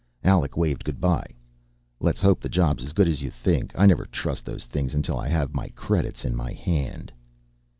Alec waved good by. "Let's hope the job's as good as you think, I never trust those things until I have my credits in my hand."